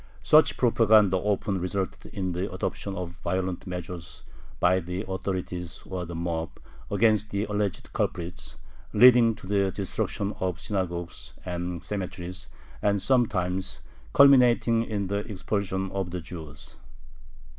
Such propaganda often resulted in the adoption of violent measures by the authorities or the mob against the alleged culprits, leading to the destruction of synagogues and cemeteries and sometimes culminating in the expulsion of the Jews.